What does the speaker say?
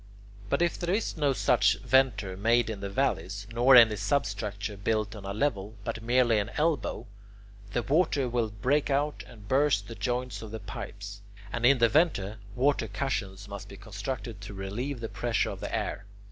But if there is no such venter made in the valleys, nor any substructure built on a level, but merely an elbow, the water will break out, and burst the joints of the pipes. And in the venter, water cushions must be constructed to relieve the pressure of the air.